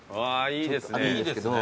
あぁいいですね。